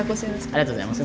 ありがとうございます。